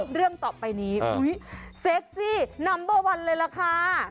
เรื่องต่อไปนี้เซ็กซี่นัมเบอร์วันเลยล่ะค่ะ